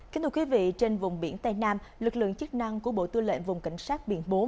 kính thưa quý vị trên vùng biển tây nam lực lượng chức năng của bộ tư lệnh vùng cảnh sát biển bốn